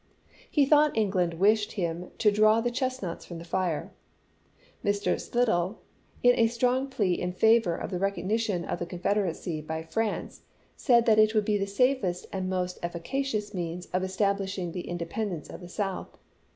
He thought England wished him " to draw the chestnuts from the fire." Mr. Slidell, in a strong plea in favor of the recognition of the Confederacy by France, said that it would be the safest and most efficacious means of establish ing the independence of the South.